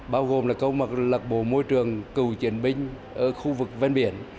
bao gồm là câu lạc bộ môi trường cựu chiến binh ở khu vực ven biển